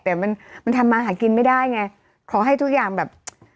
แต่มันมันทำมาหากินไม่ได้ไงขอให้ทุกอย่างแบบ